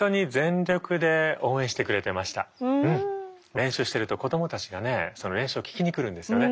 練習してると子どもたちがねその練習を聴きに来るんですよね。